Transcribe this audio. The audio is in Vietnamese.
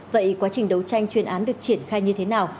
vậy quá trình đấu tranh chuyên án được triển khai như thế nào